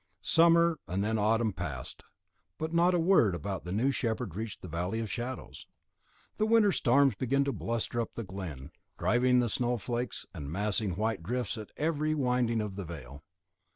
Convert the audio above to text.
Summer, and then autumn passed, but not a word about the new shepherd reached the Valley of Shadows. The winter storms began to bluster up the glen, driving the flying snow flakes and massing the white drifts at every winding of the vale.